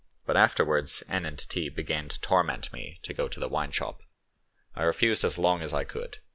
But afterwards N. and T. began to torment me to go to the wine shop; I refused as long as I could.